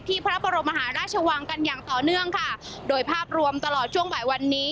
พระบรมมหาราชวังกันอย่างต่อเนื่องค่ะโดยภาพรวมตลอดช่วงบ่ายวันนี้